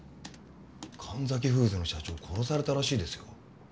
神崎フーズの社長殺されたらしいですよ。